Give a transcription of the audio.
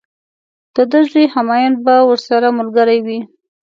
د ده زوی همایون به ورسره ملګری وي.